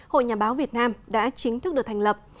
hội nhà báo việt nam đã chính thức được thành lập